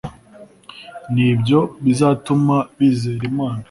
Ni ibyo bizatuma bizera Imana